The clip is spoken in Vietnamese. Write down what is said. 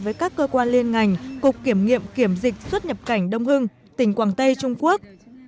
với các cơ quan liên ngành cục kiểm nghiệm kiểm dịch xuất nhập cảnh đông hưng tỉnh quảng tây trung quốc